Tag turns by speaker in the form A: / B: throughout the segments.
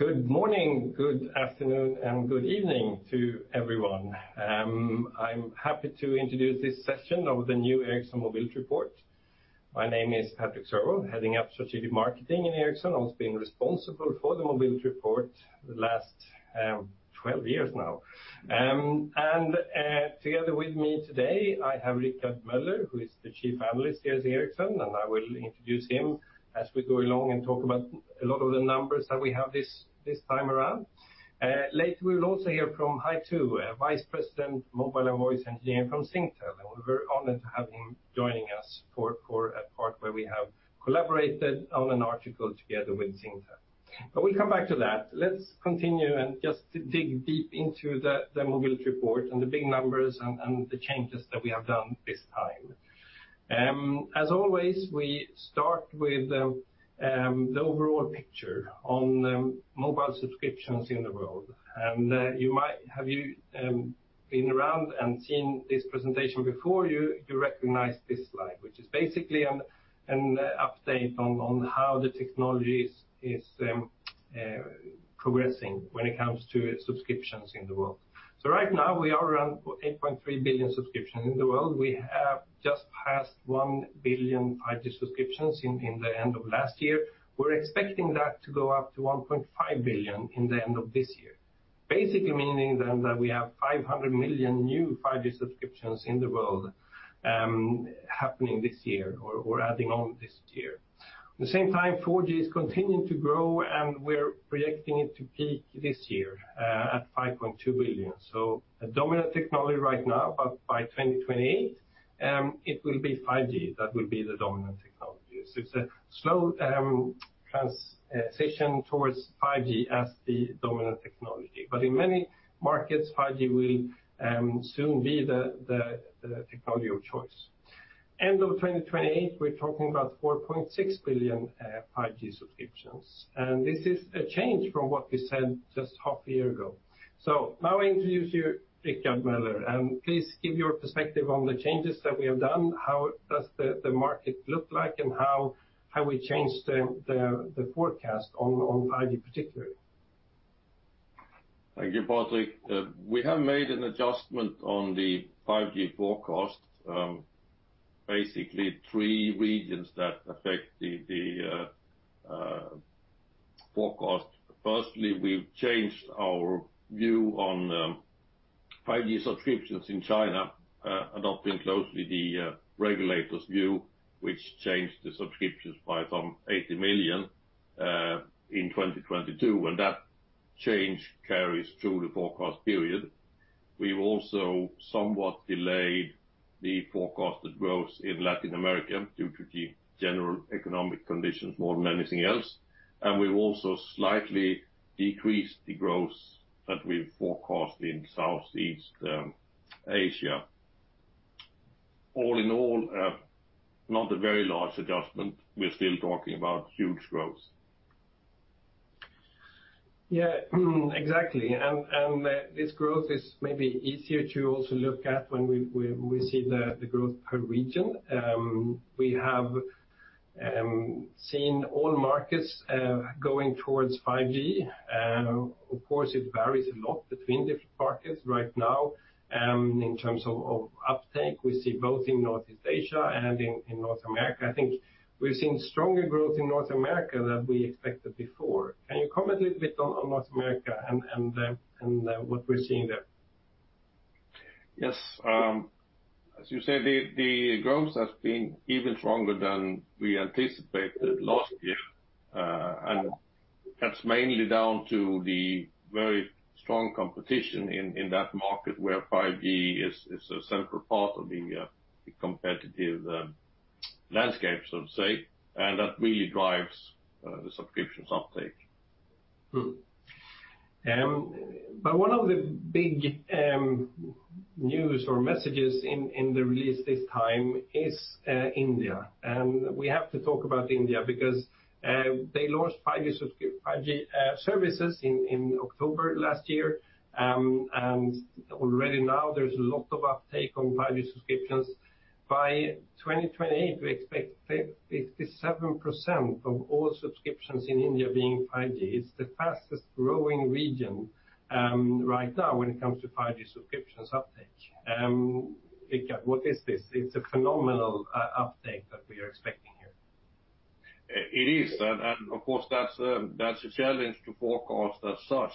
A: Good morning, good afternoon, and good evening to everyone. I'm happy to introduce this Session of the New Ericsson Mobility Report. My name is Patrik Cerwall, Head of Strategic Marketing in Ericsson. I've been responsible for the mobility report the last 12 years now. Together with me today, I have Richard Möller, who is the Chief Analyst here at Ericsson, and I will introduce him as we go along and talk about a lot of the numbers that we have this time around. Later, we will also hear from Hai Thoo Cheong, Vice President, Mobile Network Engineering from Singtel, and we're very honored to have him joining us for a part where we have collaborated on an article together with Singtel. We'll come back to that. Let's continue and just dig deep into the Mobility Report and the big numbers and the changes that we have done this time. As always, we start with the overall picture on mobile subscriptions in the world. You might, have you been around and seen this presentation before, you recognize this slide, which is basically an update on how the technology is progressing when it comes to subscriptions in the world. Right now, we are around 8.3 billion subscriptions in the world. We have just passed 1 billion 5G subscriptions in the end of last year. We're expecting that to go up to 1.5 billion in the end of this year. Meaning then that we have 500 million new 5G subscriptions in the world, happening this year, or adding on this year. At the same time, 4G is continuing to grow, we're projecting it to peak this year at 5.2 billion. The dominant technology right now, but by 2028, it will be 5G. That will be the dominant technology. It's a slow transition towards 5G as the dominant technology. In many markets, 5G will soon be the technology of choice. End of 2028, we're talking about 4.6 billion 5G subscriptions, this is a change from what we said just half a year ago. Now I introduce you, Richard Möller, and please give your perspective on the changes that we have done, how does the market look like, and how we change the forecast on 5G particularly.
B: Thank you, Patrik. We have made an adjustment on the 5G forecast. Basically three regions that affect the forecast. We've changed our view on 5G subscriptions in China, adopting closely the regulators' view, which changed the subscriptions by some 80 million in 2022. That change carries through the forecast period. We've also somewhat delayed the forecasted growth in Latin America due to the general economic conditions more than anything else. We've also slightly decreased the growth that we've forecast in Southeast Asia. Not a very large adjustment. We're still talking about huge growth.
A: Yeah, exactly. This growth is maybe easier to also look at when we see the growth per region. We have seen all markets going towards 5G, of course, it varies a lot between different markets right now, in terms of uptake, we see both in Northeast Asia and in North America. I think we've seen stronger growth in North America than we expected before. Can you comment a little bit on North America and what we're seeing there?
B: Yes. As you said, the growth has been even stronger than we anticipated last year. That's mainly down to the very strong competition in that market, where 5G is a central part of the competitive landscape, so to say, and that really drives the subscriptions uptake.
A: One of the big news or messages in the release this time is India. We have to talk about India because they launched 5G services in October last year. Already now, there's a lot of uptake on 5G subscriptions. By 2028, we expect 57% of all subscriptions in India being 5G. It's the fastest growing region right now when it comes to 5G subscriptions uptake. Richard, what is this? It's a phenomenal uptake that we are expecting here.
B: It is, and of course, that's a challenge to forecast as such.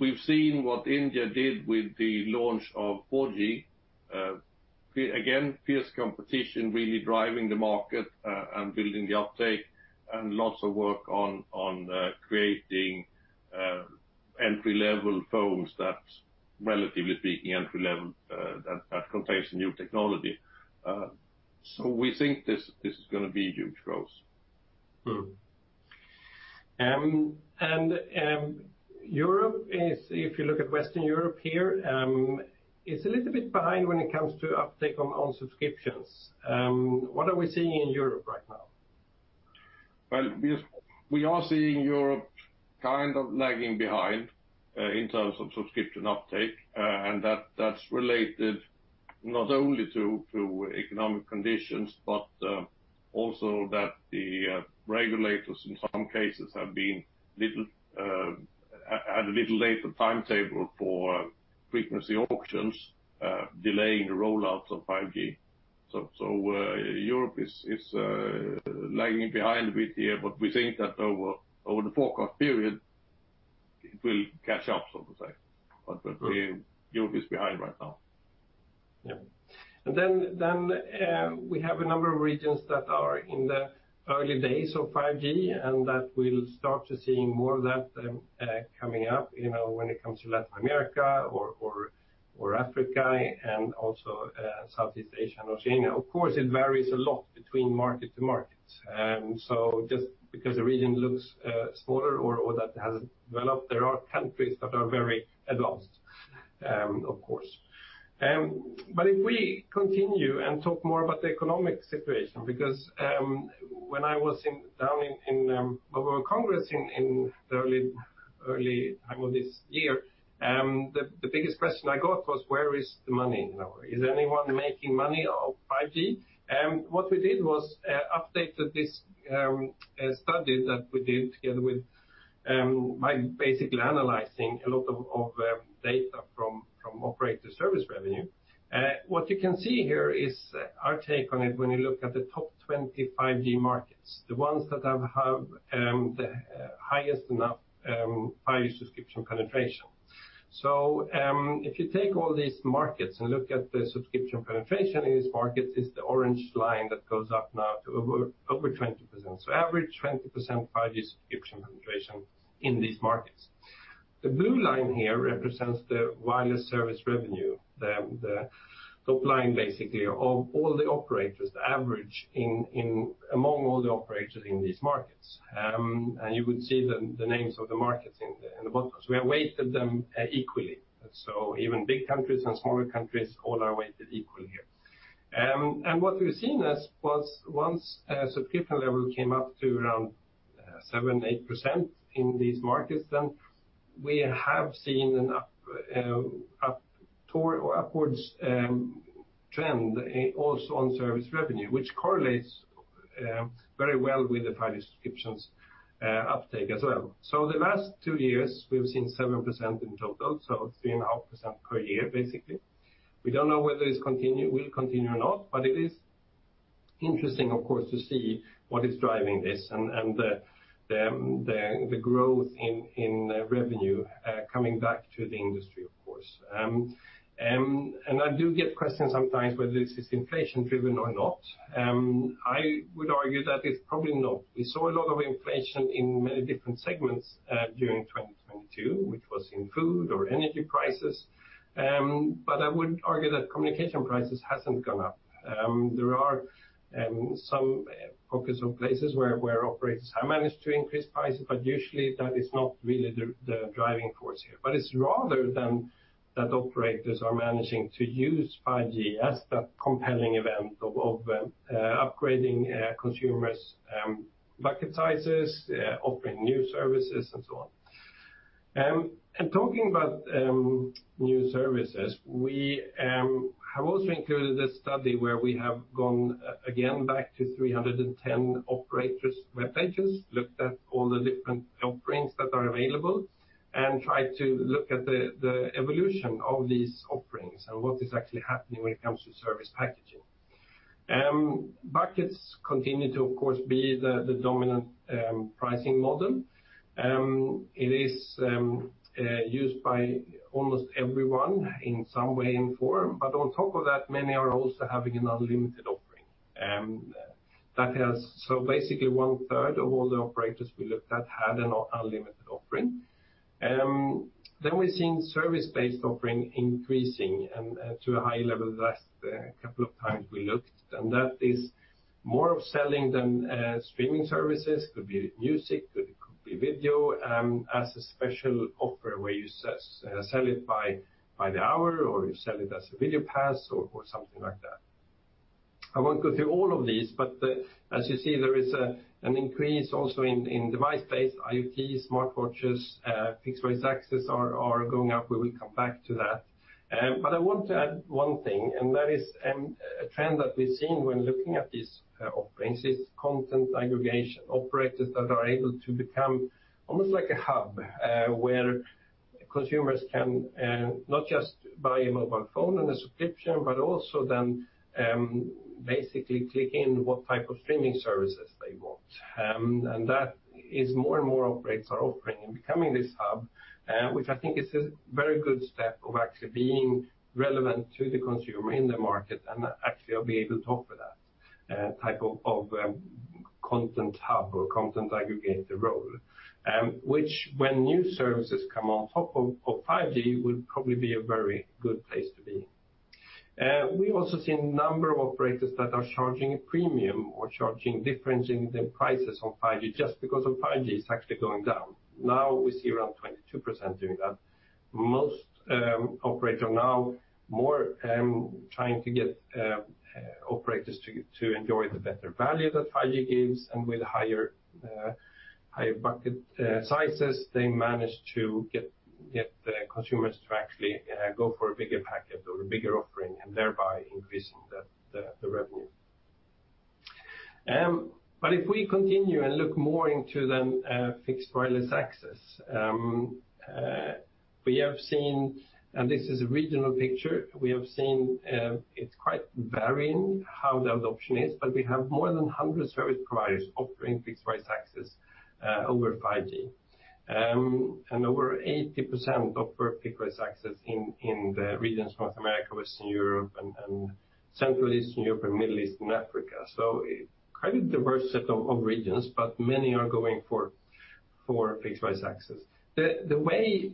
B: We've seen what India did with the launch of 4G. Again, fierce competition, really driving the market, and building the uptake, and lots of work on creating entry-level phones that, relatively speaking, entry-level, that contains new technology. We think this is gonna be huge growth.
A: Europe is, if you look at Western Europe here, is a little bit behind when it comes to uptake on subscriptions. What are we seeing in Europe right now?
B: Well, we are seeing Europe kind of lagging behind, in terms of subscription uptake. That's related not only to economic conditions, but also that the regulators in some cases have been little at a little later timetable for frequency auctions, delaying the rollouts of 5G. Europe is lagging behind a bit here, but we think that over the forecast period, it will catch up, so to say. The Europe is behind right now.
A: Yeah. We have a number of regions that are in the early days of 5G, that we'll start to see more of that coming up, you know, when it comes to Latin America or Africa, also Southeast Asia and Oceania. Of course, it varies a lot between market to market. Just because the region looks smaller or that it hasn't developed, there are countries that are very advanced, of course. If we continue and talk more about the economic situation, because when I was in down in Mobile Congress in the early time of this year, the biggest question I got was: where is the money? You know, is anyone making money off 5G? What we did was updated this study that we did together with by basically analyzing a lot of data from operator service revenue. What you can see here is our take on it when you look at the top 20 5G markets, the ones that have the highest enough 5G subscription penetration. If you take all these markets and look at the subscription penetration in these markets, it's the orange line that goes up now to over 20%. Average 20% 5G subscription penetration in these markets. The blue line here represents the wireless service revenue, the top line, basically, of all the operators, the average among all the operators in these markets. You would see the names of the markets in the bottom. We have weighted them equally. Even big countries and smaller countries, all are weighted equally here. What we've seen is, once subscription level came up to around 7, 8% in these markets, we have seen an up toward or upwards trend also on service revenue, which correlates very well with the 5G subscriptions uptake as well. The last two years, we've seen 7% in total, so 3.5% per year, basically. We don't know whether this will continue or not, but it is interesting, of course, to see what is driving this and the growth in revenue coming back to the industry, of course. I do get questions sometimes whether this is inflation driven or not. I would argue that it's probably not. We saw a lot of inflation in many different segments during 2022, which was in food or energy prices. I would argue that communication prices hasn't gone up. There are some focus on places where operators have managed to increase prices, but usually that is not really the driving force here. It's rather than, that operators are managing to use 5G as the compelling event of upgrading, consumers' bucket sizes, offering new services, and so on. Talking about new services, we have also included a study where we have gone, again, back to 310 operators' web pages, looked at all the different offerings that are available, and tried to look at the evolution of these offerings and what is actually happening when it comes to service packaging. Buckets continue to, of course, be the dominant pricing model. It is used by almost everyone in some way and form, but on top of that, many are also having an unlimited offering. Basically, 1/3 of all the operators we looked at had an unlimited offering. We've seen service-based offering increasing to a high level the last couple of times we looked, and that is more of selling than streaming services, could be music, could be video, as a special offer where you sell it by the hour, or you sell it as a video pass or something like that. I won't go through all of these, but as you see, there is an increase also in device-based IoT, smartwatches, fixed-price access are going up. We will come back to that. I want to add one thing, and that is a trend that we've seen when looking at these offerings, is content aggregation. Operators that are able to become almost like a hub, where consumers can, not just buy a mobile phone and a subscription, but also then, basically click in what type of streaming services they want. That is more and more operators are offering and becoming this hub, which I think is a very good step of actually being relevant to the consumer in the market and actually being able to offer that type of, content hub or content aggregator role. When new services come on top of 5G, will probably be a very good place to be. We've also seen a number of operators that are charging a premium or charging, differencing the prices on 5G, just because of 5G, it's actually going down. Now we see around 22% doing that. Most operator now more trying to get operators to enjoy the better value that 5G gives, and with higher higher bucket sizes, they manage to get the consumers to actually go for a bigger packet or a bigger offering, and thereby increasing the revenue. If we continue and look more into the fixed wireless access, we have seen, and this is a regional picture, we have seen, it's quite varying how the adoption is, but we have more than 100 service providers offering fixed wireless access over 5G. Over 80% offer fixed wireless access in the regions North America, Western Europe, and Central Eastern Europe, and Middle East and Africa. Quite a diverse set of regions, but many are going for fixed wireless access. The way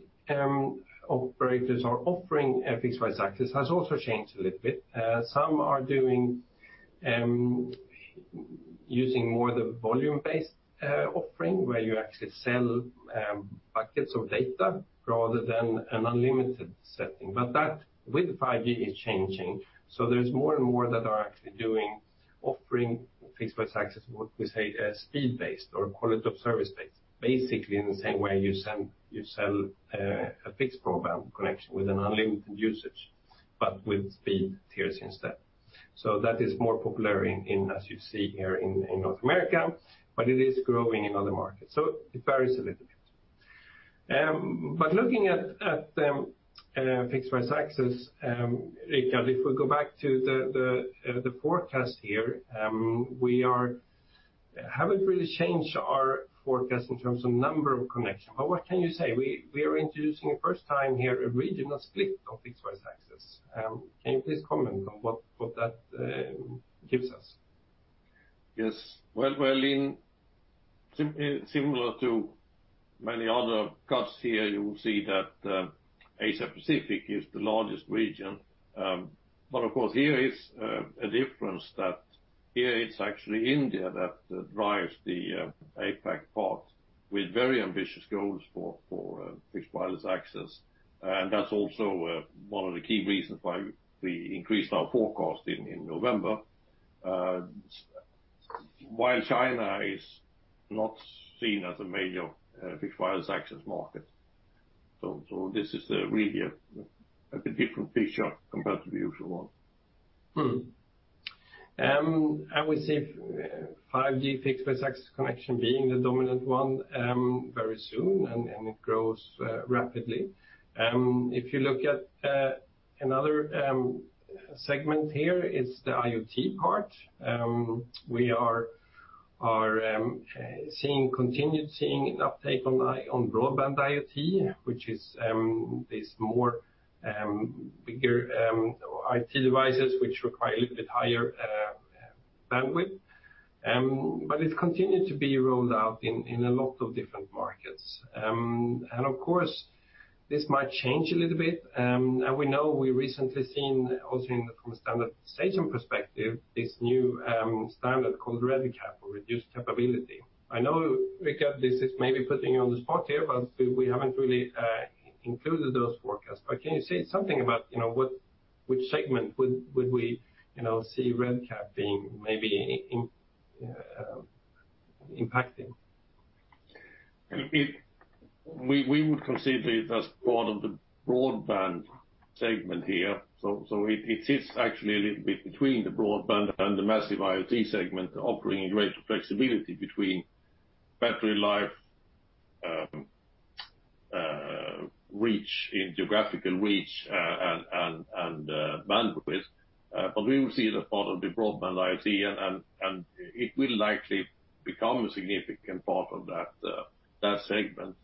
A: operators are offering fixed wireless access has also changed a little bit. Some are doing, using more the volume-based offering, where you actually sell packets of data rather than an unlimited setting. That with 5G is changing, there's more and more that are actually doing, offering fixed wireless access, what we say, speed-based or quality of service-based, basically in the same way you sell a fixed program connection with an unlimited usage, but with speed tiers instead. That is more popular in, as you see here in North America, but it is growing in other markets, it varies a little bit. Looking at fixed wireless access, Richard, if we go back to the forecast here, we haven't really changed our forecast in terms of number of connection. What can you say? We are introducing the first time here a regional split of fixed wireless access. Can you please comment on what that gives us?
B: Yes. Well, in similar to many other graphs here, you will see that Asia Pacific is the largest region. Of course, here is a difference that here it's actually India that drives the APAC part with very ambitious goals for fixed wireless access. That's also one of the key reasons why we increased our forecast in November. While China is not seen as a major fixed wireless access market. This is really a different picture compared to the usual one.
A: I would say 5G fixed wireless access connection being the dominant one very soon. It grows rapidly. If you look at another segment here, it's the IoT part. We are seeing, continued seeing an uptake on Broadband IoT, which is this more bigger IoT devices which require a little bit higher bandwidth. It continued to be rolled out in a lot of different markets. Of course, this might change a little bit. We know we recently seen, also in from a standardization perspective, this new standard called REDCap or Reduced Capability. I know, Richard, this is maybe putting you on the spot here, but we haven't really included those forecasts. Can you say something about, you know, which segment would we, you know, see REDCap being maybe impacting?
B: We would consider it as part of the Broadband segment here. It is actually a little bit between the Broadband and the Massive IoT segment, offering a great flexibility between battery life, geographical reach, and bandwidth. We will see it as part of the Broadband IoT, and it will likely become a significant part of that segment.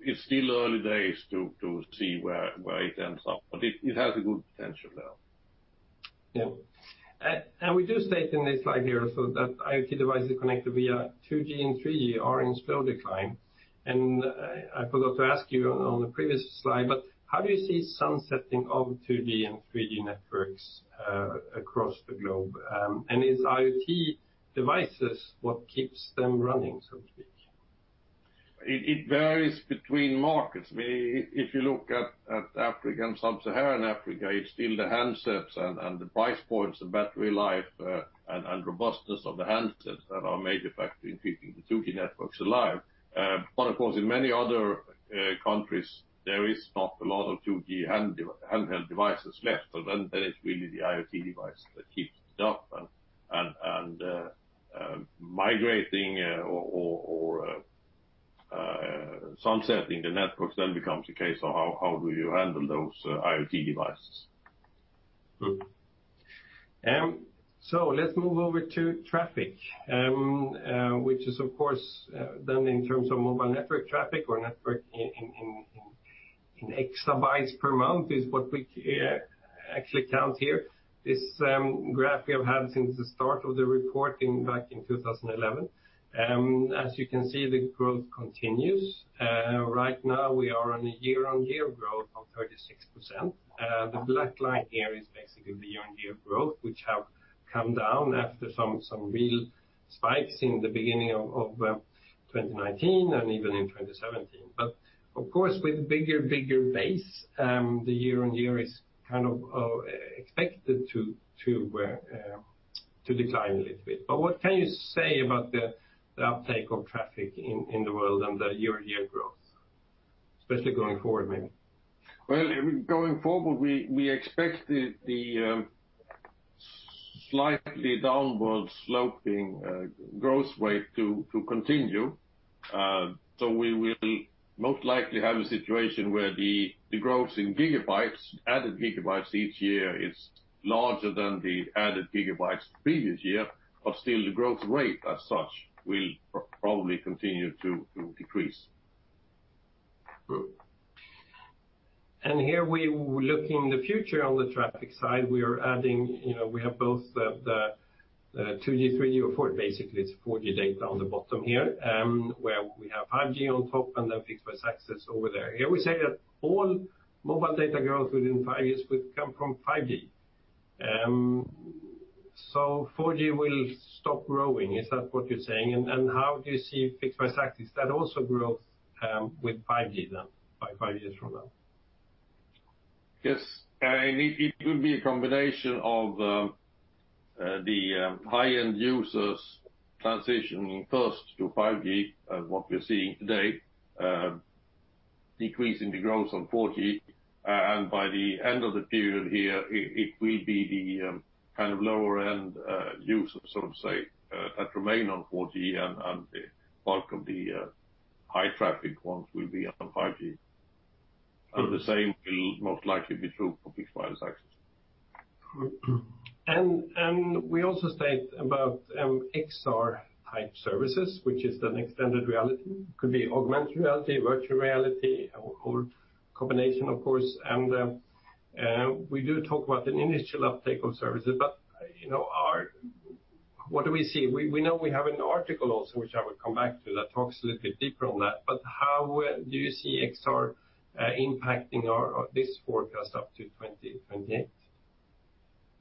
B: It's still early days to see where it ends up, but it has a good potential there.
A: Yeah. We do state in this slide here also that IoT devices connected via 2G and 3G are in slow decline. I forgot to ask you on the previous slide, how do you see sunsetting of 2G and 3G networks across the globe? Is IoT devices what keeps them running, so to speak?
B: It varies between markets. I mean, if you look at Africa and Sub-Saharan Africa, it's still the handsets and the price points and battery life, and robustness of the handsets that are a major factor in keeping the 2G networks alive. Of course, in many other countries, there is not a lot of 2G handheld devices left. Then there is really the IoT device that keeps it up and migrating or sunsetting the networks then becomes a case of how do you handle those IoT devices?
A: Let's move over to traffic, which is, of course, in terms of mobile network traffic or network in exabytes per month, is what we actually count here. This graph we have had since the start of the reporting back in 2011. As you can see, the growth continues. Right now, we are on a year-on-year growth of 36%. The black line here is basically the year-on-year growth, which have come down after some real spikes in the beginning of 2019 and even in 2017. Of course, with bigger base, the year-on-year is kind of expected to decline a little bit. What can you say about the uptake of traffic in the world and the year-on-year growth? Especially going forward, maybe?
B: Going forward, we expect the slightly downward sloping growth rate to continue. We will most likely have a situation where the growth in Gigabits, added Gigabits each year is larger than the added Gigabits the previous year, still the growth rate as such will probably continue to decrease.
A: Here we look in the future on the traffic side. We are adding, you know, we have both the 2G, 3G, basically it's 4G data on the bottom here, where we have 5G on top, and then fixed wireless access over there. We say that all mobile data growth within 5 years will come from 5G. 4G will stop growing, is that what you're saying? How do you see fixed wireless access? That also grows with 5G then, by 5 years from now.
B: Yes, it will be a combination of the high-end users transitioning first to 5G, as what we're seeing today, decreasing the growth on 4G. By the end of the period here, it will be the kind of lower end users, so to say, that remain on 4G, and the bulk of the high traffic ones will be on 5G. The same will most likely be true for fixed wireless access.
A: We also state about XR-type services, which is an extended reality. Could be augmented reality, virtual reality, or combination, of course. We do talk about an initial uptake of services, but, you know, what do we see? We know we have an article also, which I will come back to, that talks a little bit deeper on that. How do you see XR impacting our, this forecast up to 2028?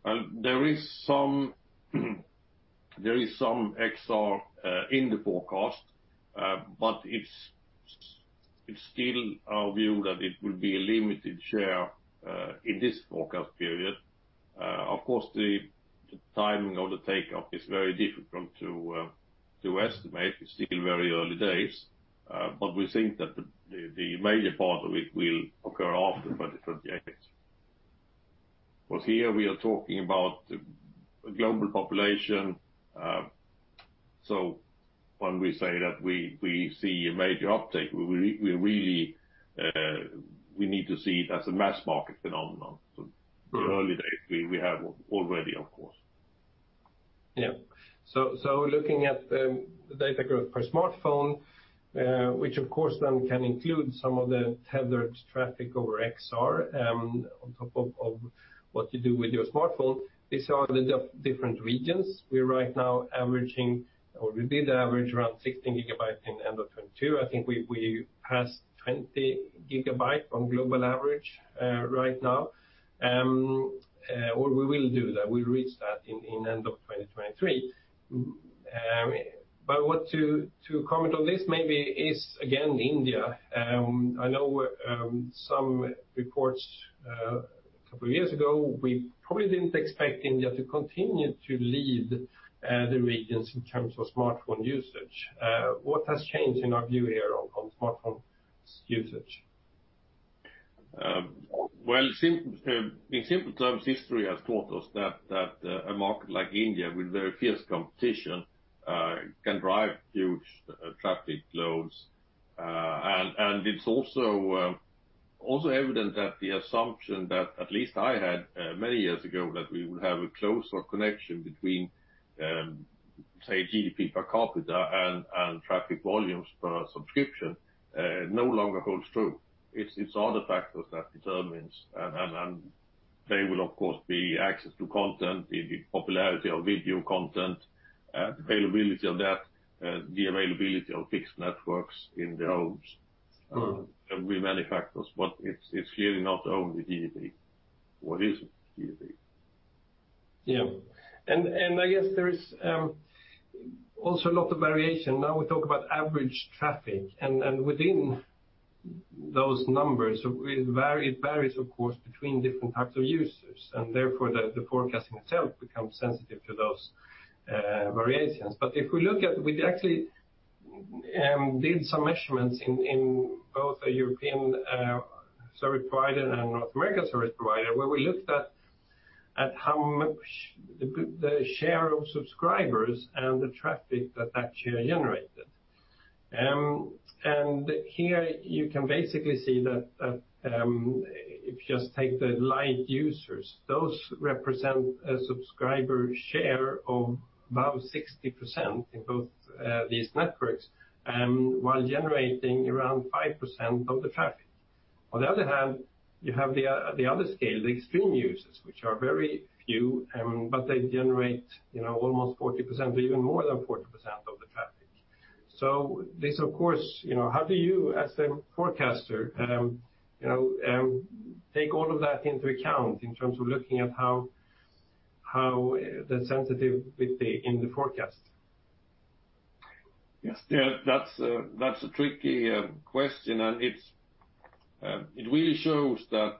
B: Well, there is some XR in the forecast, but it's still our view that it will be a limited share in this forecast period. Of course, the timing of the takeoff is very difficult to estimate. It's still very early days, but we think that the major part of it will occur after 2028. Here we are talking about the global population, so when we say that we see a major uptake, we really, we need to see it as a mass market phenomenon.
A: Mm-hmm.
B: The early days, we have already, of course.
A: Looking at the data growth per smartphone, which of course can include some of the tethered traffic over XR, on top of what you do with your smartphone. These are the different regions. We're right now averaging, or we did average around 16 GB in end of 2022. I think we passed 20 GB on global average right now. We will do that. We'll reach that in end of 2023. What to comment on this maybe is, again, India. I know some reports couple years ago, we probably didn't expect India to continue to lead the regions in terms of smartphone usage. What has changed in our view here on smartphone usage?
B: Well, in simple terms, history has taught us that a market like India, with very fierce competition, can drive huge traffic flows. It's also evident that the assumption that at least I had many years ago, that we would have a closer connection between, say, GDP per capita and traffic volumes per subscription, no longer holds true. It's other factors that determines, and they will, of course, be access to content, the popularity of video content, availability of that, the availability of fixed networks in the homes.
A: Mm-hmm.
B: There will be many factors, but it's clearly not only GDP or isn't GDP.
A: Yeah. I guess there is also a lot of variation. Now, we talk about average traffic, and within those numbers, it varies, of course, between different types of users, and therefore, the forecasting itself becomes sensitive to those variations. If we look at... We actually did some measurements in both a European service provider and a North American service provider, where we looked at how much the share of subscribers and the traffic that actually are generated. Here you can basically see that if you just take the light users, those represent a subscriber share of about 60% in both these networks, while generating around 5% of the traffic. On the other hand, you have the other scale, the extreme users, which are very few, but they generate, you know, almost 40% or even more than 40% of the traffic. This, of course, you know, how do you as a forecaster, you know, take all of that into account in terms of looking at how, the sensitivity in the forecast?
B: Yes. That's a tricky question, and it really shows the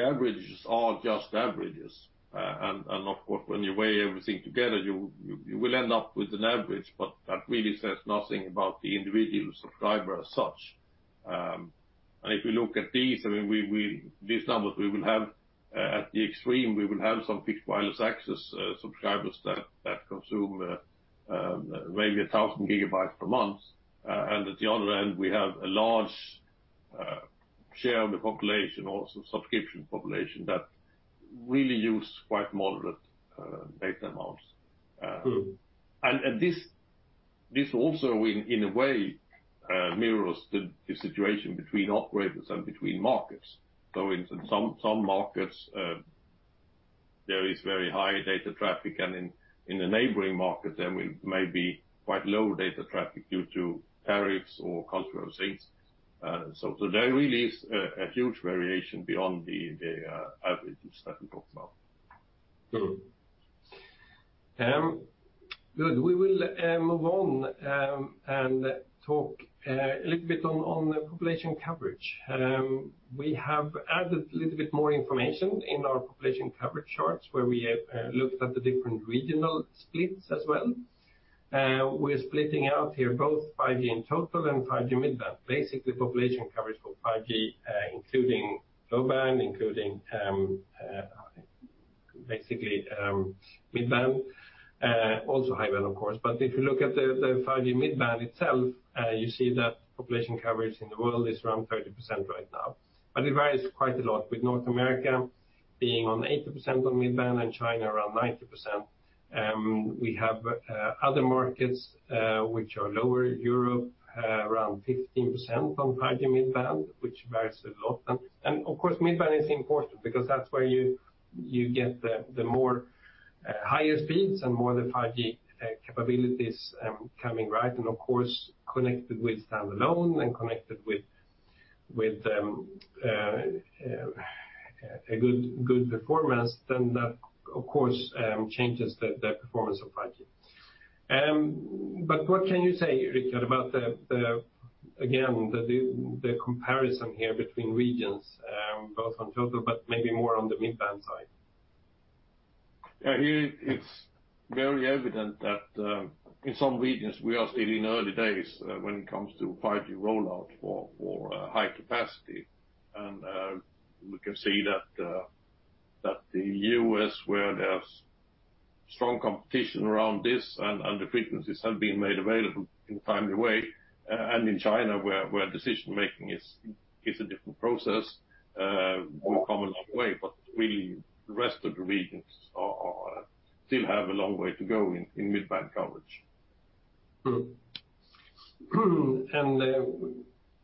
B: averages are just averages. Of course, when you weigh everything together, you will end up with an average, but that really says nothing about the individual subscriber as such. If you look at these, I mean, these numbers we will have at the extreme, we will have some fixed wireless access subscribers that consume maybe 1,000 GB per month. At the other end, we have a large share of the population, also subscription population, that really use quite moderate data amounts. This also in a way mirrors the situation between operators and between markets. In some markets, there is very high data traffic, and in the neighboring market, there may be quite low data traffic due to tariffs or cultural things. There really is a huge variation beyond the averages that we talked about.
A: Good. We will move on and talk a little bit on the population coverage. We have added a little bit more information in our population coverage charts, where we have looked at the different regional splits as well. We're splitting out here both 5G in total and 5G mid-band. Basically, population coverage for 5G, including low band, including basically mid-band, also high band, of course. If you look at the 5G mid-band itself, you see that population coverage in the world is around 30% right now. It varies quite a lot, with North America being on 80% on mid-band and China around 90%. We have other markets which are lower. Europe around 15% on 5G mid-band, which varies a lot. Of course, mid-band is important because that's where you get the more higher speeds and more the 5G capabilities coming, right? Of course, connected with stand-alone and connected with a good performance, then that, of course, changes the performance of 5G. What can you say, Richard, about the again, the comparison here between regions, both on total, but maybe more on the mid-band side?
B: Yeah, here it's very evident that in some regions, we are still in early days when it comes to 5G rollout for high capacity. We can see that the US, where there's strong competition around this and the frequencies have been made available in a timely way, and in China, where decision-making is a different process, will come a long way. Really, the rest of the regions are still have a long way to go in mid-band coverage.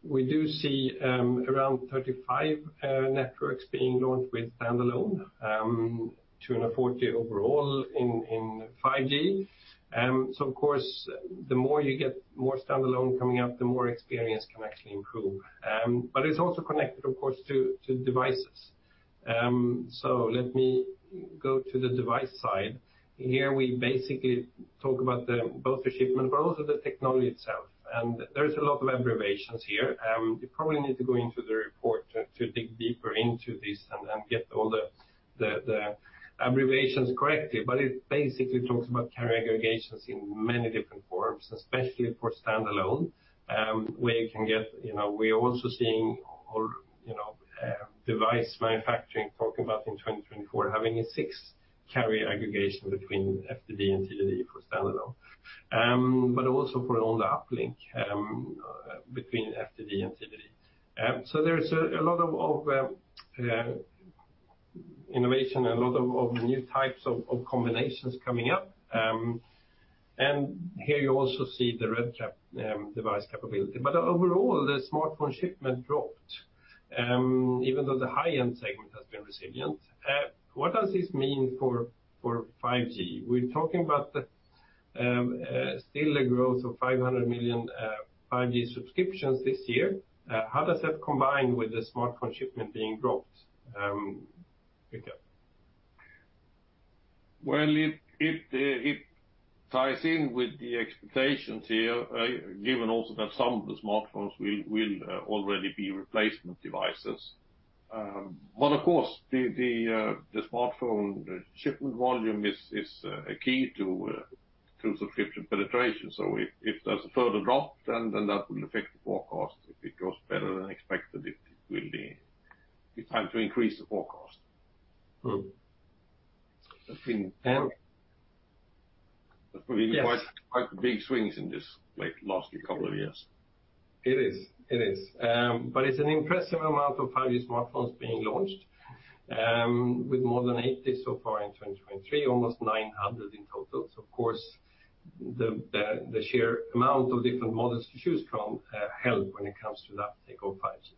A: We do see around 35 networks being launched with standalone, 240 overall in 5G. Of course, the more you get more standalone coming up, the more experience can actually improve. It's also connected, of course, to devices. Let me go to the device side. Here, we basically talk about both the shipment, but also the technology itself. There's a lot of abbreviations here. You probably need to go into the report to dig deeper into this and get all the abbreviations correctly. It basically talks about carrier aggregations in many different forms, especially for standalone, where you can get... You know, we are also seeing, or, you know, device manufacturing talking about in 2024, having a 6-carrier aggregation between FDD and TDD for stand-alone. Also for on the uplink, between FDD and TDD. There is a lot of innovation and a lot of new types of combinations coming up. Here you also see the REDCap device capability. Overall, the smartphone shipment dropped, even though the high-end segment has been resilient. What does this mean for 5G? We're talking about the still a growth of 500 million 5G subscriptions this year. How does that combine with the smartphone shipment being dropped, Richard?
B: It ties in with the expectations here, given also that some of the smartphones will already be replacement devices. Of course, the smartphone shipment volume is a key to subscription penetration. If there's a further drop, then that will affect the forecast. If it goes better than expected, it will be the time to increase the forecast.
A: Mm. Between- Yes.
B: There's been quite big swings in this, like, last couple of years.
A: It is, it is. It's an impressive amount of 5G smartphones being launched, with more than 800 so far in 2023, almost 900 in total. Of course, the sheer amount of different models to choose from, help when it comes to the uptake of 5G.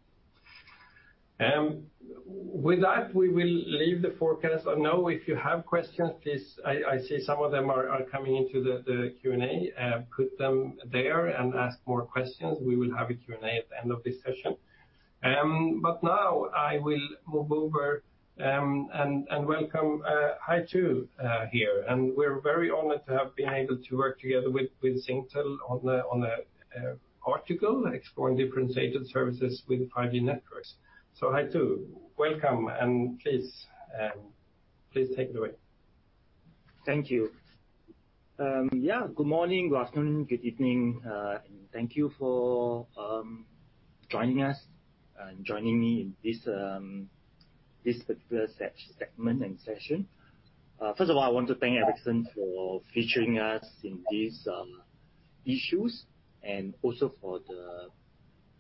A: With that, we will leave the forecast. I know if you have questions, please... I see some of them are coming into the Q&A. Put them there and ask more questions. We will have a Q&A at the end of this session. Now I will move over, and welcome Hai Thoo here. We're very honored to have been able to work together with Singtel on a article exploring different edge services with 5G networks. Hai Thoo, welcome, and please take it away.
C: Thank you. Yeah, good morning, good afternoon, good evening, and thank you for joining us and joining me in this particular segment and session. First of all, I want to thank Ericsson for featuring us in these issues and also for the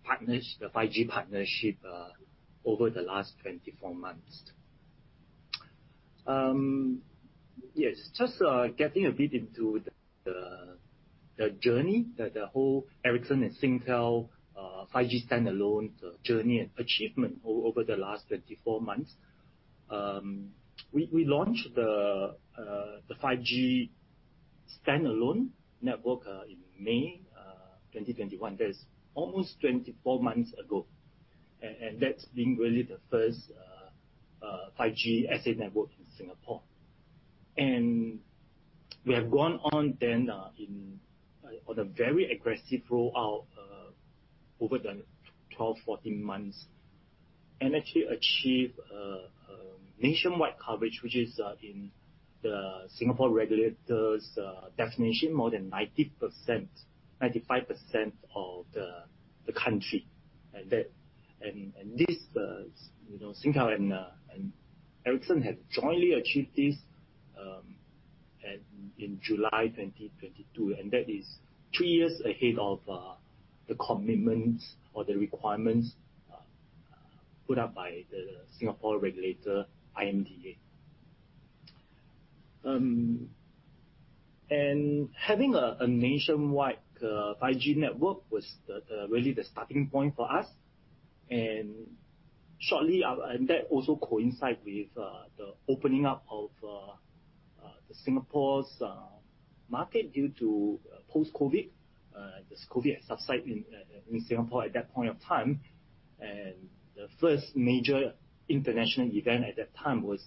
C: partners, the 5G partnership, over the last 24 months. Yes, just getting a bit into the journey that the whole Ericsson and Singtel 5G standalone journey and achievement over the last 24 months. We launched the 5G standalone network in May 2021. That is almost 24 months ago. That's been really the first 5G SA network in Singapore. We have gone on then, in, on a very aggressive rollout, over the 12, 14 months, and actually achieve nationwide coverage, which is in the Singapore regulators definition, more than 90%, 95% of the country. This, you know, Singtel and Ericsson, have jointly achieved this in July 2022, and that is two years ahead of the commitments or the requirements, put up by the Singapore regulator, IMDA. Having a nationwide 5G network was the really starting point for us, and shortly. That also coincide with the opening up of the Singapore's market due to post-COVID. This COVID had subsided in Singapore at that point of time, the first major international event at that time was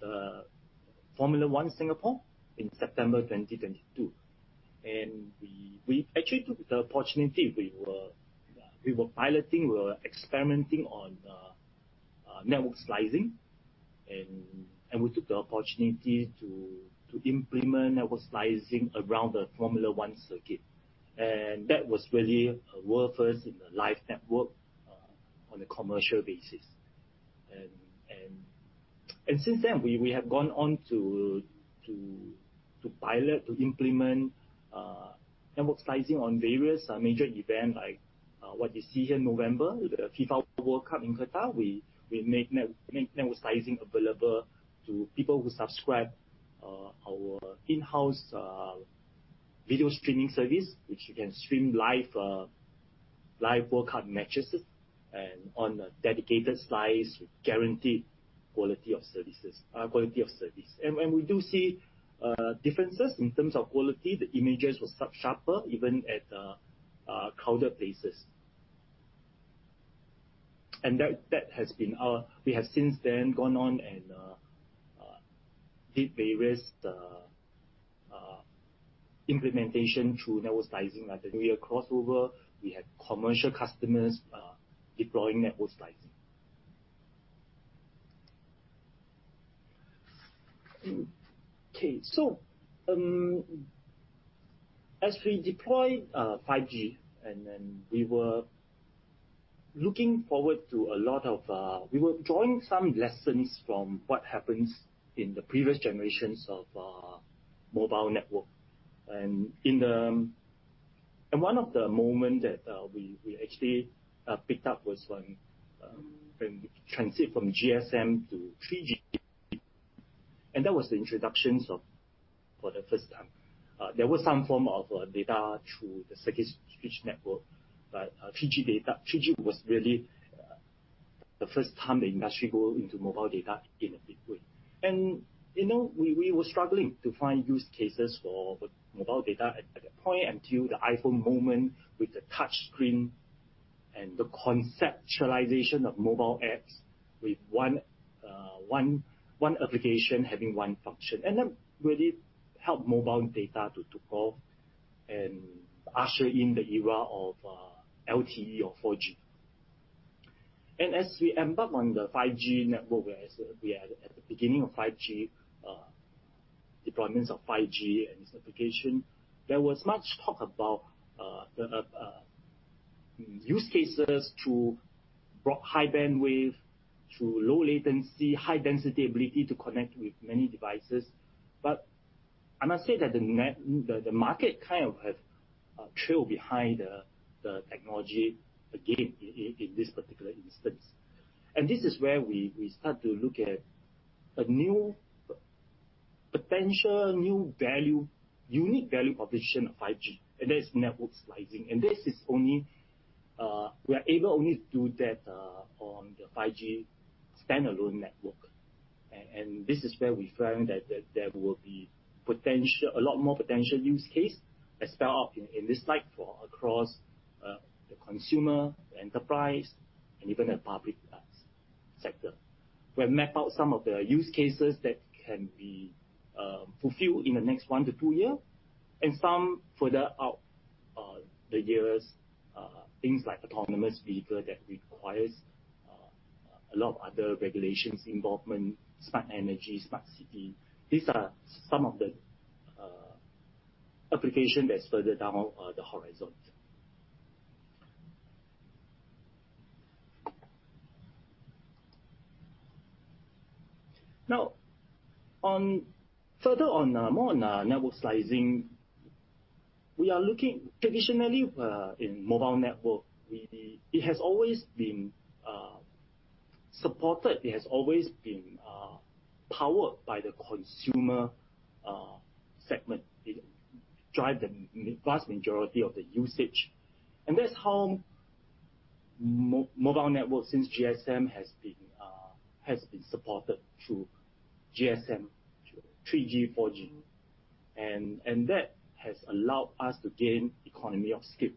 C: the Formula 1 Singapore in September 2022. We actually took the opportunity. We were piloting, we were experimenting on network slicing, and we took the opportunity to implement network slicing around the Formula 1 circuit. That was really a world first in the live network on a commercial basis. Since then, we have gone on to pilot, to implement network slicing on various major event like what you see here in November, the FIFA World Cup in Qatar. We make network slicing available to people who subscribe, our in-house video streaming service, which you can stream live Live World Cup matches and on a dedicated slice, guaranteed quality of services, quality of service. We do see differences in terms of quality. The images was sharper even at crowded places. That has been. We have since then gone on and did various implementation through network slicing at the New Year crossover. We had commercial customers deploying network slicing. As we deployed 5G, we were looking forward to a lot of... We were drawing some lessons from what happens in the previous generations of mobile network. One of the moment that we actually picked up was when we transit from GSM to 3G, and that was the introductions of for the first time. There was some form of data through the circuit switch network, but 3G data. 3G was really the first time the industry go into mobile data in a big way. You know, we were struggling to find use cases for mobile data at that point, until the iPhone moment, with the touch screen and the conceptualization of mobile apps, with one application having one function. That really helped mobile data to grow and usher in the era of LTE or 4G. As we embark on the 5G network, as we had at the beginning of 5G, deployments of 5G and its application, there was much talk about the use cases to brought high bandwidth, through low latency, high density, ability to connect with many devices. I must say that the market kind of have trailed behind the technology again, in this particular instance. This is where we start to look at a new, potential new value, unique value proposition of 5G, and that is network slicing. This is only, we are able only to do that on the 5G standalone network. This is where we found that there will be potential, a lot more potential use case, as spelled out in this slide, for across the consumer, the enterprise, and even the public sector. We have mapped out some of the use cases that can be fulfilled in the next 1 to 2 year, and some further out the years. Things like autonomous vehicle that requires a lot of other regulations involvement, smart energy, smart city. These are some of the application that's further down the horizon. On further on, more on network slicing, we are looking traditionally in mobile network, it has always been supported. It has always been powered by the consumer segment. It drive the vast majority of the usage, and that's how mobile network, since GSM has been supported through GSM, 3G, 4G. That has allowed us to gain economy of scale.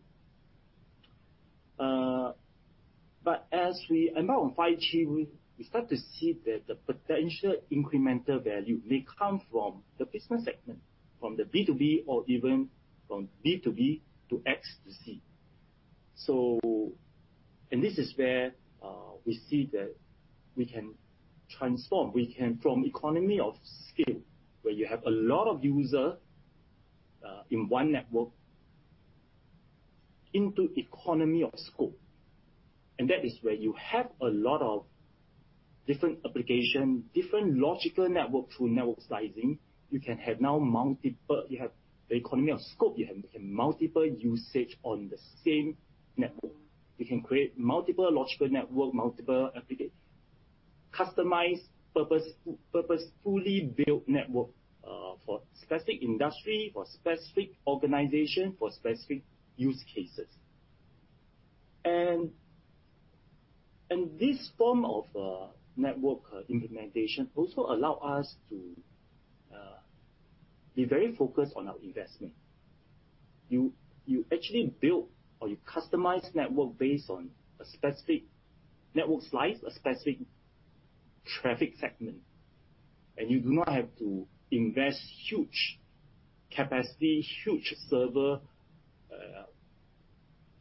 C: As we embark on 5G, we start to see that the potential incremental value may come from the business segment, from the B2B or even from B2B to X to C. This is where we see that we can transform. We can, from economy of scale, where you have a lot of user in one network, into economy of scope, that is where you have a lot of different application, different logical network. Through network slicing, you can have now multiple. You have the economy of scope. You have, you can multiple usage on the same network. You can create multiple logical network, multiple customize purpose, fully built network for specific industry, for specific organization, for specific use cases. This form of network implementation also allow us to be very focused on our investment. You actually build or you customize network based on a specific network slice, a specific traffic segment, and you do not have to invest huge capacity, huge server,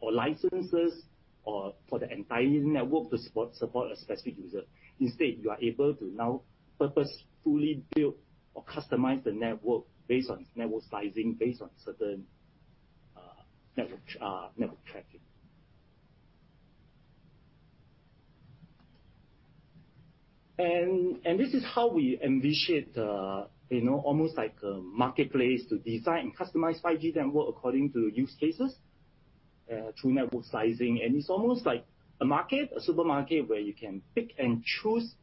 C: or licenses, or for the entire network to support a specific user. Instead, you are able to now purposefully build or customize the network based on network sizing, based on certain network network traffic. This is how we envision it, you know, almost like a marketplace to design and customize 5G network according to use cases through network slicing. It's almost like a market, a supermarket, where you can pick and choose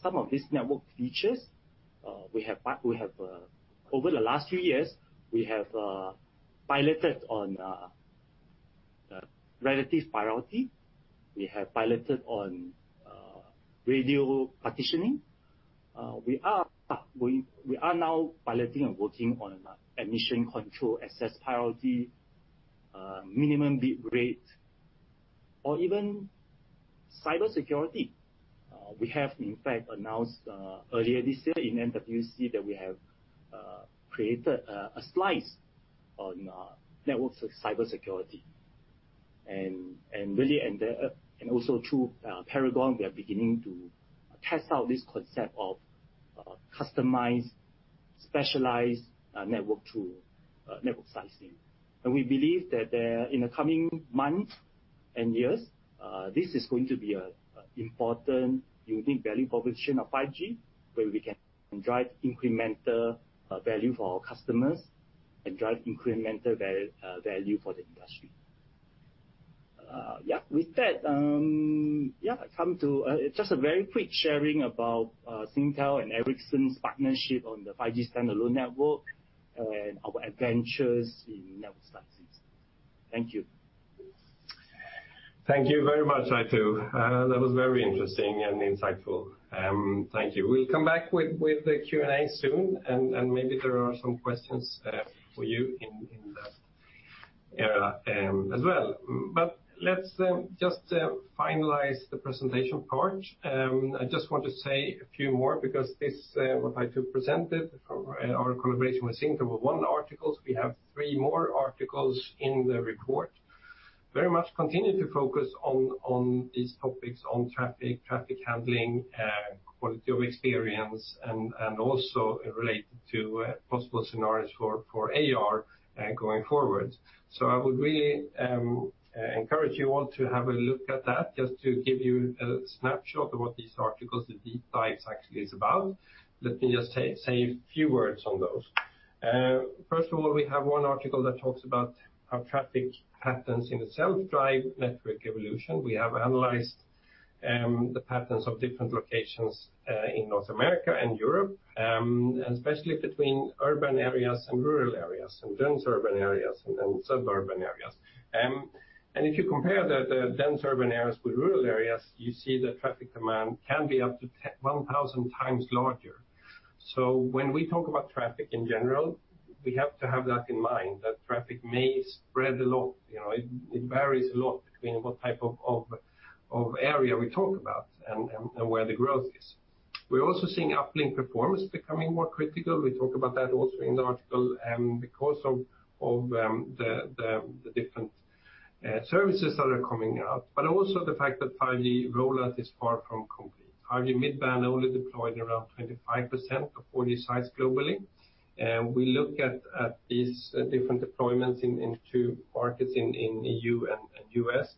C: some of these network features. Over the last few years, we have piloted on Relative Priority. We have piloted on Radio Partitioning. We are now piloting and working on admission control, access priority, minimum bit rate, or even cybersecurity. We have in fact announced earlier this year in MWC that we have created a slice on network cybersecurity. Also through Paragon, we are beginning to test out this concept of customized, specialized network through network slicing. We believe that in the coming months and years, this is going to be a important unique value proposition of 5G, where we can drive incremental value for our customers and drive incremental value for the industry. With that, come to just a very quick sharing about Singtel and Ericsson's partnership on the 5G standalone network and our adventures in network slicing. Thank you.
A: Thank you very much, Hai Thoo. That was very interesting and insightful. Thank you. We'll come back with the Q&A soon, and maybe there are some questions for you in the area as well. Let's just finalize the presentation part. I just want to say a few more, because this what Hai Thoo presented, our collaboration with Singtel, were one articles. We have three more articles in the report. Very much continue to focus on these topics, on traffic handling, quality of experience, and also related to possible scenarios for AR going forward. I would really encourage you all to have a look at that. Just to give you a snapshot of what these articles, the deep dive actually is about, let me just say a few words on those. First of all, we have one article that talks about how traffic patterns in the self-driving network evolution. We have analyzed the patterns of different locations in North America and Europe, especially between urban areas and rural areas, and dense urban areas and suburban areas. If you compare the dense urban areas with rural areas, you see that traffic demand can be up to 1,000 times larger. When we talk about traffic in general, we have to have that in mind, that traffic may spread a lot. You know, it varies a lot between what type of area we talk about and where the growth is. We're also seeing uplink performance becoming more critical. We talk about that also in the article, because of the different services that are coming out, but also the fact that 5G rollout is far from complete. 5G mid-band only deployed around 25% of all these sites globally. We look at these different deployments in two markets in E.U. and U.S.,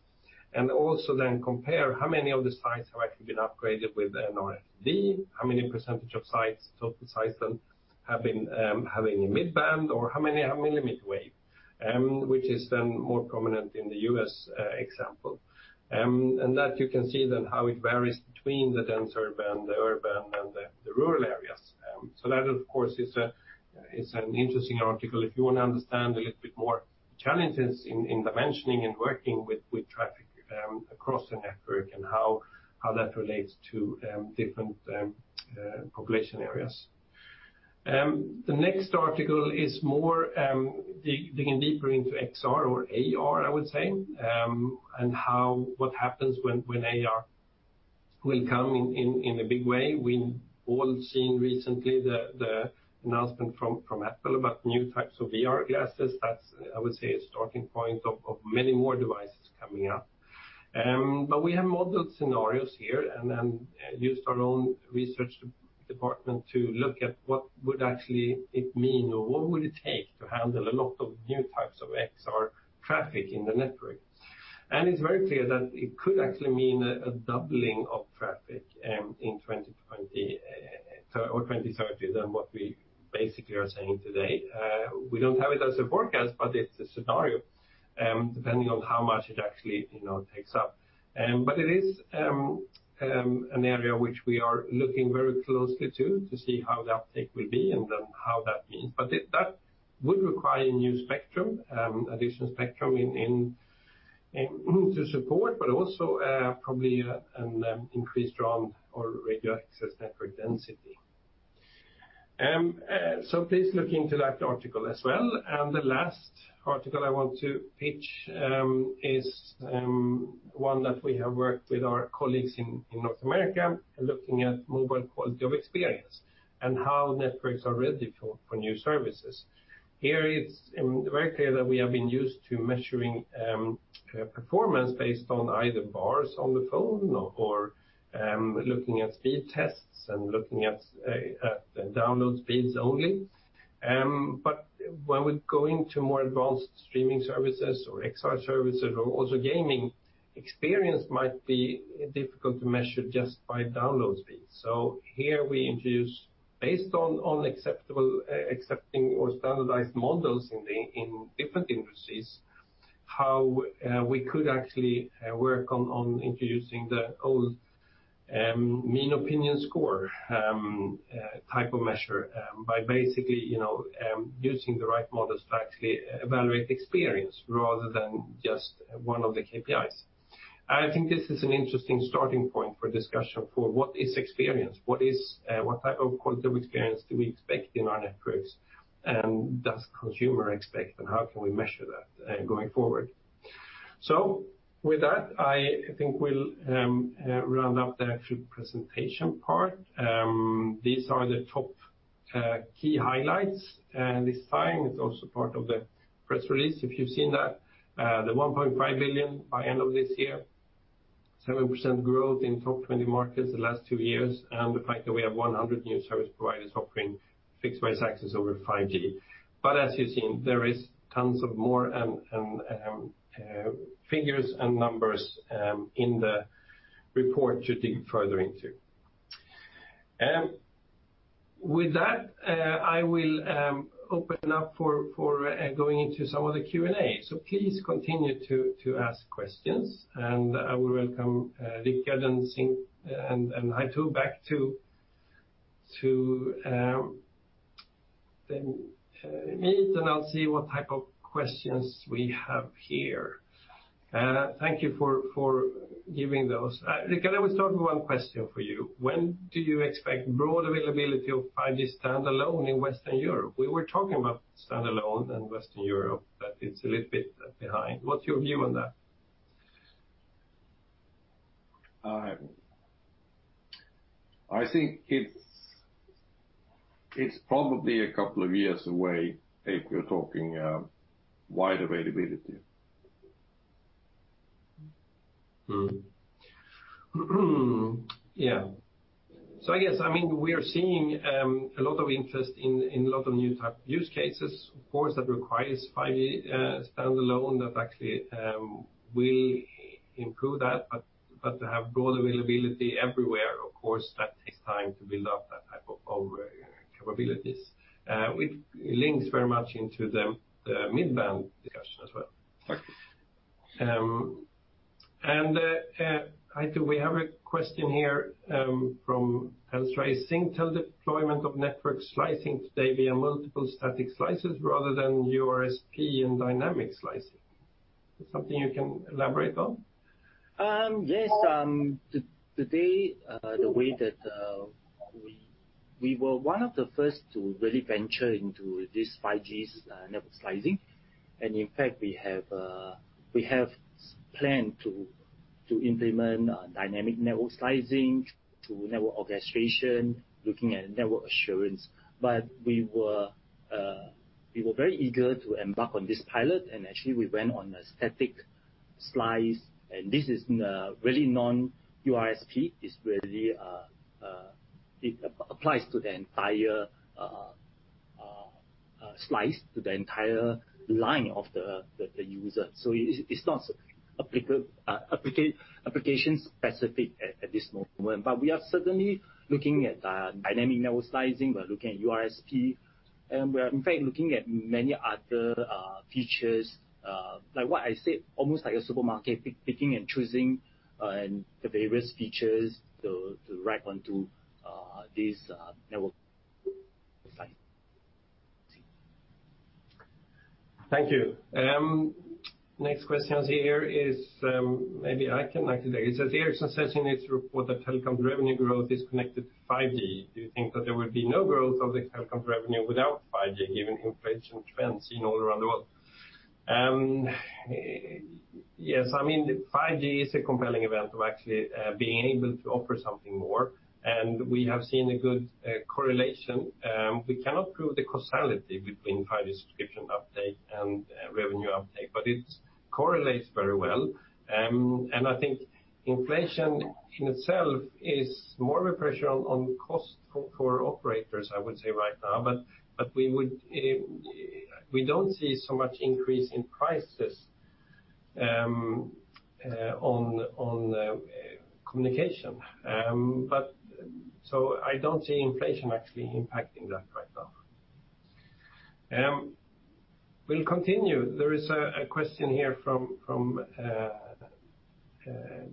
A: and also then compare how many of the sites have actually been upgraded with an RFDS, how many percentage of sites, total sites then have been having a mid-band, or how many have millimeter wave, which is then more prominent in the U.S. example. That you can see then how it varies between the denser urban, the urban, and the rural areas. That, of course, is an interesting article if you want to understand a little bit more challenges in the mentioning and working with traffic across the network and how that relates to different population areas. The next article is more digging deeper into XR or AR, I would say, and how, what happens when AR will come in in a big way. We've all seen recently the announcement from Apple about new types of VR glasses. That's, I would say, a starting point of many more devices coming up. We have modeled scenarios here and used our own research department to look at what would actually it mean, or what would it take to handle a lot of new types of XR traffic in the network. It's very clear that it could actually mean a doubling of traffic in 2020 or 2030, than what we basically are saying today. We don't have it as a forecast, but it's a scenario, depending on how much it actually, you know, takes up. But it is an area which we are looking very closely to see how the uptake will be and then how that means. That would require a new spectrum, additional spectrum to support, but also probably an increased RAM or Radio Access Network density. Please look into that article as well. The last article I want to pitch, is one that we have worked with our colleagues in North America, looking at mobile quality of experience and how networks are ready for new services. Here, it's very clear that we have been used to measuring performance based on either bars on the phone or looking at speed tests and looking at download speeds only. When we go into more advanced streaming services or XR services or also gaming, experience might be difficult to measure just by download speed. Here we introduce, based on acceptable, accepting or standardized models in the different industries, how we could actually work on introducing the old mean opinion score type of measure by basically, you know, using the right models to actually evaluate the experience rather than just one of the KPIs. I think this is an interesting starting point for discussion for what is experience, what is what type of quality of experience do we expect in our networks, does consumer expect, and how can we measure that going forward? With that, I think we'll round up the actual presentation part. These are the top key highlights, and this time, it's also part of the press release, if you've seen that. The $1.5 billion by end of this year, 7% growth in top 20 markets the last 2 years, and the fact that we have 100 new service providers offering fixed-price access over 5G. As you've seen, there is tons of more figures and numbers in the report to dig further into. With that, I will open up for going into some of the Q&A. Please continue to ask questions, and I will welcome Richard and Sing, and Hai Thoo back to the meet, and I'll see what type of questions we have here. Thank you for giving those. Richard, I will start with one question for you. When do you expect broad availability of 5G standalone in Western Europe? We were talking about standalone in Western Europe, but it's a little bit behind. What's your view on that?
B: I think it's probably a couple of years away, if we're talking, wide availability.
A: I guess, I mean, we are seeing a lot of interest in a lot of new type use cases. Of course, that requires 5G standalone that actually will improve that, but to have broad availability everywhere, of course, that takes time to build up that type of over capabilities. Which links very much into the mid-band discussion as well.
B: Thanks.
A: Haitou, we have a question here from Telstra: Singtel deployment of network slicing today via multiple static slices rather than URSP and dynamic slicing. Is that something you can elaborate on?
C: Yes. Today, the way that we were one of the first to really venture into this 5G network slicing. In fact, we have planned to implement dynamic network slicing, to network orchestration, looking at network assurance. We were very eager to embark on this pilot, and actually, we went on a static slice, and this is really non-URSP. It's really, it applies to the entire slice, to the entire line of the user. It, it's not applicable, application specific at this moment. We are certainly looking at dynamic network slicing, we're looking at URSP, and we are, in fact, looking at many other features, like what I said, almost like a supermarket, picking and choosing, and the various features to rack onto this network slice.
A: Thank you. Next question I see here is, maybe I can answer that. It says: Ericsson says in its report that telecom revenue growth is connected to 5G. Do you think that there would be no growth of the telecom revenue without 5G, given inflation trends seen all around the world? Yes, I mean, 5G is a compelling event of actually being able to offer something more, and we have seen a good correlation. We cannot prove the causality between 5G subscription uptake and revenue uptake, but it correlates very well. I think inflation in itself is more of a pressure on cost for operators, I would say right now, but we would. We don't see so much increase in prices on communication. I don't see inflation actually impacting that right now. We'll continue. There is a question here from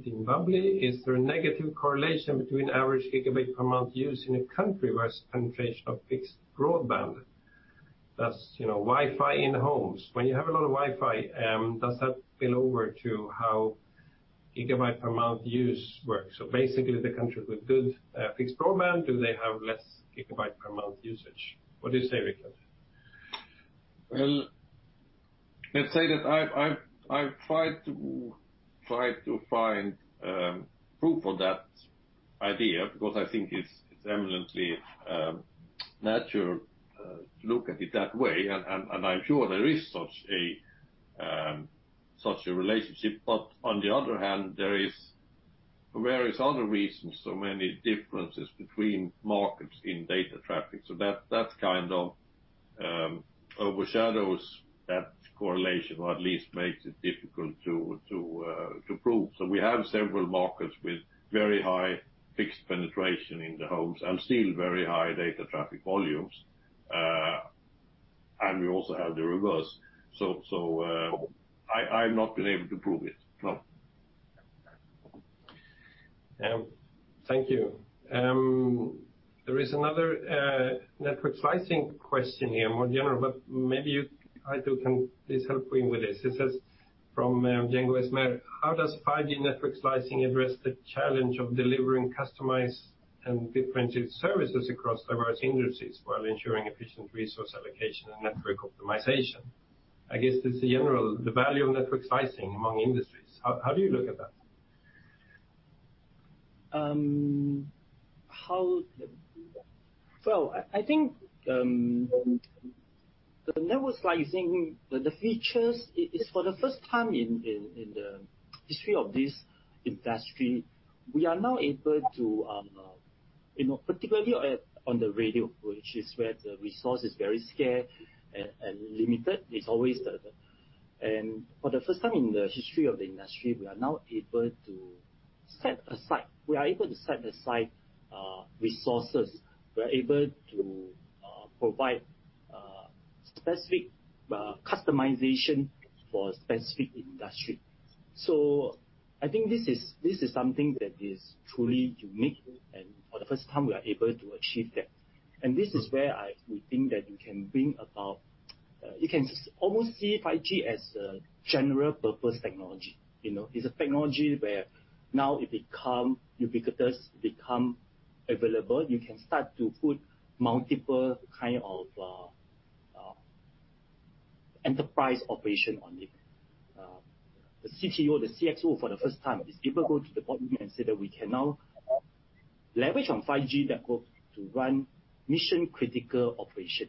A: Dean Bubley: Is there a negative correlation between average Gigabyte per month use in a country versus penetration of fixed broadband? That's, you know, Wi-Fi in homes. When you have a lot of Wi-Fi, does that spill over to how Gigabyte per month use works? Basically, the countries with good fixed broadband, do they have less Gigabyte per month usage? What do you say, Richard?
B: Let's say that I've tried to find proof of that idea because I think it's eminently natural to look at it that way, and I'm sure there is such a relationship. On the other hand, there is various other reasons, so many differences between markets in data traffic. That's kind of overshadows that correlation, or at least makes it difficult to prove. We have several markets with very high fixed penetration in the homes and still very high data traffic volumes, and we also have the reverse. I've not been able to prove it, no.
A: Thank you. There is another network slicing question here, more general, but maybe you, Hai Thoo, can please help me with this. This is from Jengo Esmer: How does 5G network slicing address the challenge of delivering customized and differentiated services across diverse industries, while ensuring efficient resource allocation and network optimization? I guess this is general, the value of network slicing among industries. How do you look at that?
C: How... Well, I think the network slicing, the features, is for the first time in the history of this industry, we are now able to, you know, particularly on the radio, which is where the resource is very scarce and limited. It's always the... For the first time in the history of the industry, we are now able to set aside resources. We're able to provide specific customization for a specific industry. I think this is something that is truly unique, and for the first time, we are able to achieve that. This is where we think that you can bring about. You can almost see 5G as a general purpose technology. You know, it's a technology where now it become ubiquitous, become available, you can start to put multiple kind of enterprise operation on it. The CTO, the CXO, for the first time, is able to go to the board room and say that we can now leverage on 5G network to run mission-critical operation.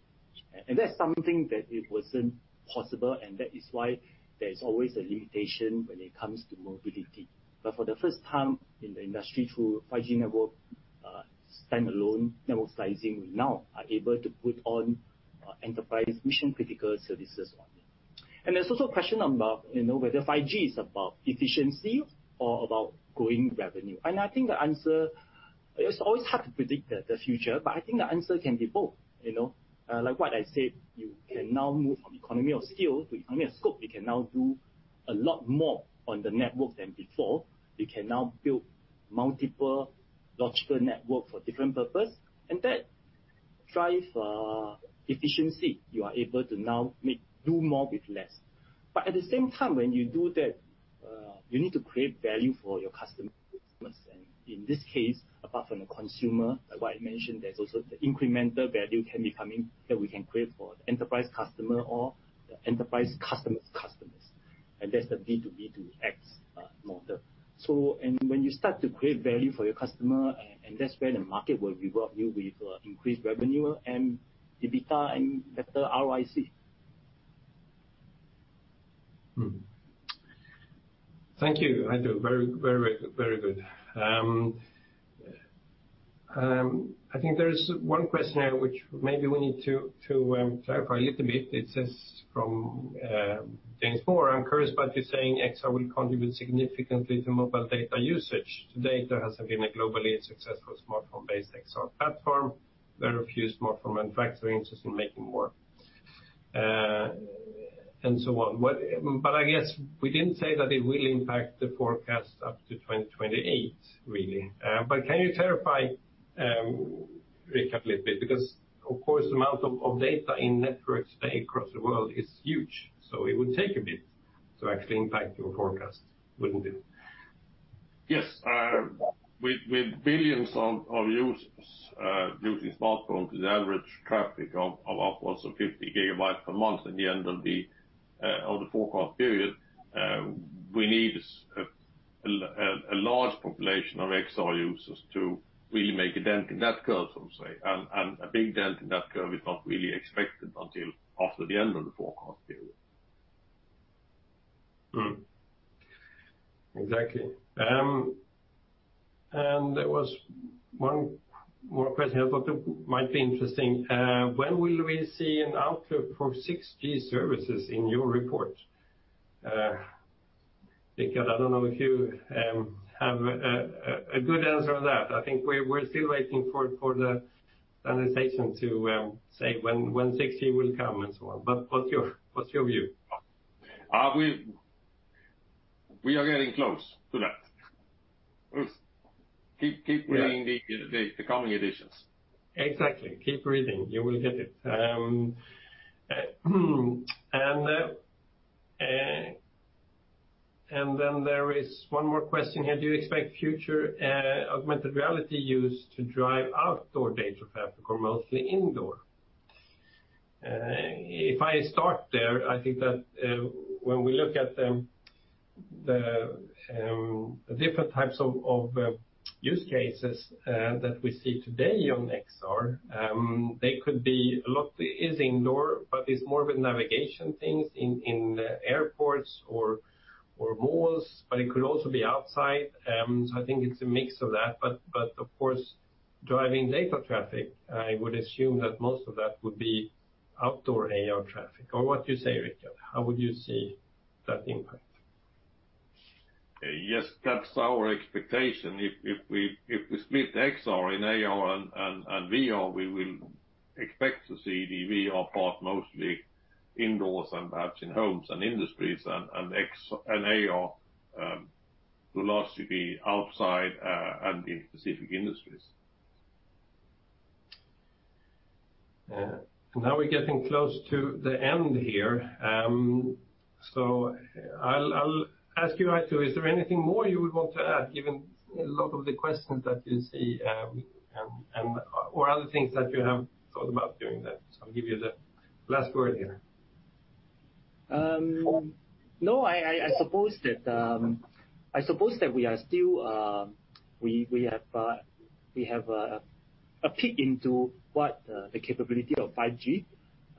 C: That's something that it wasn't possible, and that is why there is always a limitation when it comes to mobility. For the first time in the industry, through 5G network, standalone network slicing, we now are able to put on enterprise mission-critical services on it. There's also a question about, you know, whether 5G is about efficiency or about growing revenue. I think the answer, it's always hard to predict the future, but I think the answer can be both. You know, like what I said, you can now move from economy of scale to economy of scope. You can now do a lot more on the network than before. You can now build multiple logical network for different purpose, and that drive efficiency. You are able to now do more with less. At the same time, when you do that, you need to create value for your customers. In this case, apart from the consumer, like I mentioned, there's also the incremental value can be coming, that we can create for the enterprise customer or the enterprise customer's customers, and that's the B2B2X model. When you start to create value for your customer, and that's where the market will reward you with increased revenue and EBITDA and better ROIC.
A: Thank you, Hai Thoo. Very good. I think there's one question here which maybe we need to clarify a little bit. It says from James Moore: I'm curious about you saying XR will contribute significantly to mobile data usage. To date, there hasn't been a globally successful smartphone-based XR platform. There are a few smartphone manufacturers interested in making more and so on. I guess we didn't say that it will impact the forecast up to 2028, really. Can you clarify, Richard, a little bit? Of course, the amount of data in networks today across the world is huge, so it would take a bit to actually impact your forecast, wouldn't it?
B: Yes, with billions of users, using smartphones, the average traffic of upwards of 50 GB per month in the end of the forecast period, we need a large population of XR users to really make a dent in that curve, so to say. A big dent in that curve is not really expected until after the end of the forecast period.
A: Exactly. There was one more question here I thought might be interesting. When will we see an outlook for 6G services in your report? Richard, I don't know if you have a good answer on that. I think we're still waiting for the standardization to say when 6G will come, and so on. What's your view?
B: we are getting close to that.
A: Hmm.
B: Keep reading the coming editions.
A: Exactly. Keep reading, you will get it. There is one more question here: Do you expect future augmented reality use to drive outdoor data traffic or mostly indoor? If I start there, I think that when we look at the different types of use cases that we see today on XR, they could be. A lot is indoor, but it's more with navigation things in airports or malls, but it could also be outside. I think it's a mix of that. Of course, driving data traffic, I would assume that most of that would be outdoor AR traffic. What do you say, Richard? How would you see that impact?
B: Yes, that's our expectation. If we split XR in AR and VR, we will expect to see the VR part mostly indoors and perhaps in homes and industries, and AR to largely be outside and in specific industries.
A: Now we're getting close to the end here. I'll ask you, Hai Thoo, is there anything more you would want to add, given a lot of the questions that you see, and, or other things that you have thought about during that? I'll give you the last word here.
C: No, I suppose that I suppose that we are still, we have a peek into what the capability of 5G.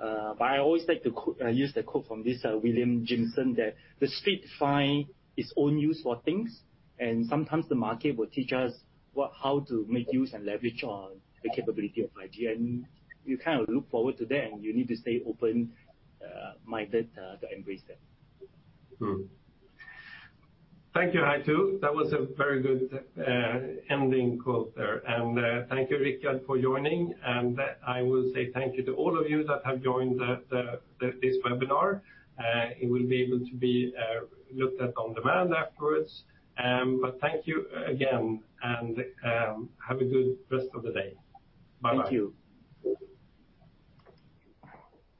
C: I always like to use the quote from this William Gibson, that "The street find its own use for things," and sometimes the market will teach us what, how to make use and leverage on the capability of 5G. You kind of look forward to that, and you need to stay open minded to embrace that.
A: Thank you, Hai Thoo. That was a very good ending quote there. Thank you, Richard, for joining. I will say thank you to all of you that have joined this webinar. It will be able to be looked at on demand afterwards. Thank you again, and have a good rest of the day. Bye-bye.
C: Thank you.